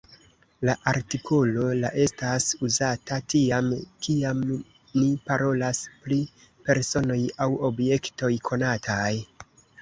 La artikolo « la » estas uzata tiam, kiam ni parolas pri personoj aŭ objektoj konataj.